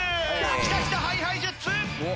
きたきた！ＨｉＨｉＪｅｔｓ！